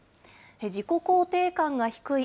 自己肯定感が低い